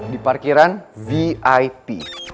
di parkiran vip